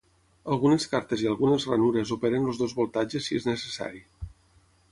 Algunes cartes i algunes ranures operen els dos voltatges si és necessari.